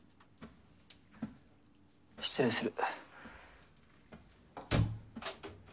失礼する。